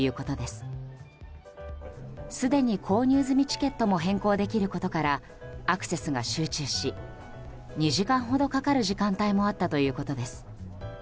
すでに購入済みチケットも変更できることからアクセスが集中し２時間ほどかかる時間帯もあったということです。